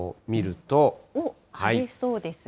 晴れそうですね。